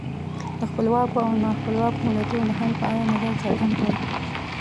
د خپلواکو او نا خپلواکو ملتونو د حال په اړه نظر څرګند کړئ.